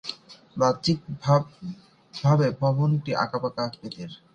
বাহ্যিকভাবে ভবনটি আঁকাবাঁকা আকৃতির।